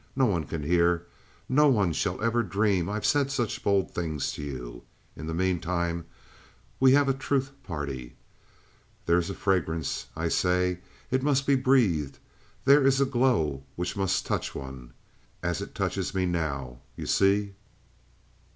No one can hear; no one shall ever dream I've said such bold things to you. In the meantime, we have a truth party. There is a fragrance, I say. It must be breathed. There is a glow which must touch one. As it touches me now, you see?"